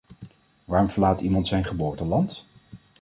Waarom verlaat iemand zijn geboorteland?